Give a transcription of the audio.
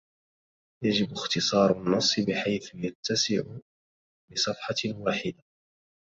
يجب اختصار النص بحيث يتسع بصفحة واحدة.